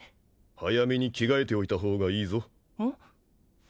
早めに着替えておいた方がいいぞうん？